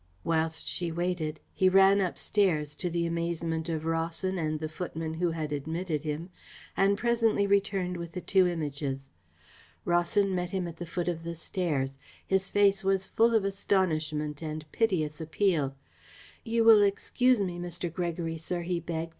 Whilst she waited, he ran upstairs, to the amazement of Rawson and the footman who had admitted him, and presently returned with the two Images. Rawson met him at the foot of the stairs. His face was full of astonishment and piteous appeal. "You will excuse me, Mr. Gregory, sir," he begged.